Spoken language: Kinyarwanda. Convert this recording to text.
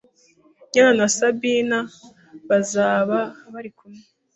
ryan na sabina bazaba bari kumwe.